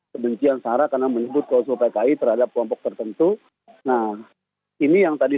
kebencian sarah karena menyebut klausul pki terhadap kelompok tertentu nah ini yang tadi